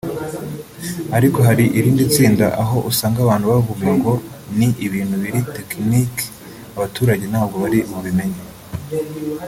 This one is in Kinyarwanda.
ariko hari irindi tsinda aho usanga abantu bavuga ngo ni ibintu biri tekiniki abaturage ntabwo bari bubimenye